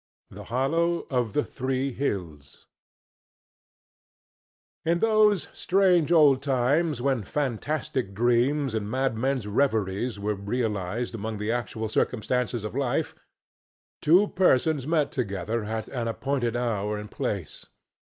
THE HOLLOW OF THE THREE HILLS In those strange old times when fantastic dreams and madmen's reveries were realized among the actual circumstances of life, two persons met together at an appointed hour and place.